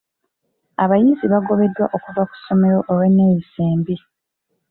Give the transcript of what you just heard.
Abayizi bagobeddwa okuva ku ssomero olw'enneeyisa embi.